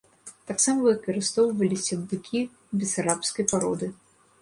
Таксама выкарыстоўваліся быкі бесарабскай пароды.